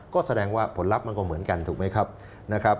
ก็แสดงว่าผลลัพธ์มันก็เหมือนกันถูกไหมครับนะครับ